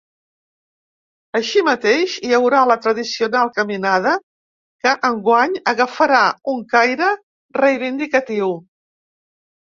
Així mateix, hi haurà la tradicional caminada, que enguany agafarà un caire reivindicatiu.